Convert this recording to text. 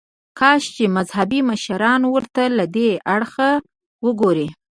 کاش چې مذهبي مشران ورته له دې اړخه وګوري.